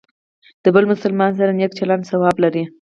د بل مسلمان سره نیک چلند ثواب لري.